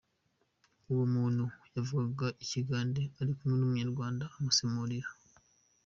Uwo muntu yavugaga ikigande ari kumwe n’umunyarwanda umusemurira.